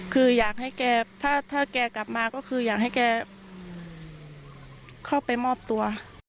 คืออยากให้แกถ้าแกกลับมาก็คืออยากให้แกเข้าไปมอบตัว